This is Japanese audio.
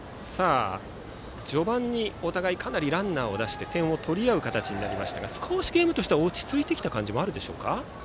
序盤にお互いかなりランナーを出して点を取り合う形になりましたが少しゲームとしては落ち着いてきた感じもあるでしょうか。